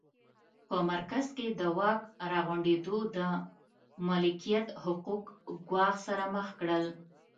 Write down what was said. په مرکز کې د واک راغونډېدو د ملکیت حقوق ګواښ سره مخ کړل